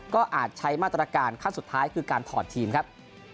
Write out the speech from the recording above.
ก็อาจใช้มาตรการขั้นสุดท้ายคือการถอดทีมครับ